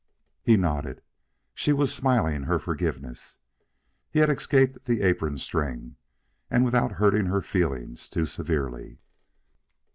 He nodded. She was smiling her forgiveness. He had escaped the apron string, and without hurting her feelings too severely.